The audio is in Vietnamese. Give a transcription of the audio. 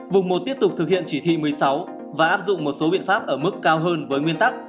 vùng một tiếp tục thực hiện chỉ thị một mươi sáu và áp dụng một số biện pháp ở mức cao hơn với nguyên tắc